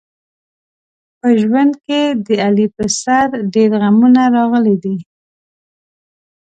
په ژوند کې د علي په سر ډېر غمونه راغلي دي.